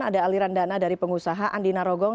ada aliran dana dari pengusaha andina rogong